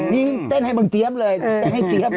นี่เต้นให้บังเจี๊ยบเลยเต้นให้เจี๊ยบเลย